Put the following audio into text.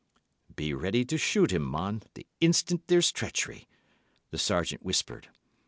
"Be ready to shoot him, mon, the instant there's treachery," the Sergeant whispered.